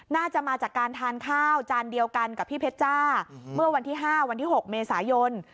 น่าจะมาจากการทานข้าวจานเดียวกันกับพี่เพชรจ้าเมื่อวันที่๕วันที่๖เมษายน